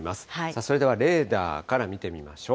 それではレーダーから見てみましょう。